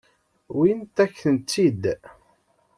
Wwint-akent-tt-id.